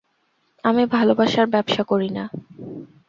আমি ভালবাসার ব্যবসা করি না।